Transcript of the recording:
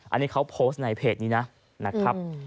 อันนี้เขาโพสต์ในเพจนี้นะครับ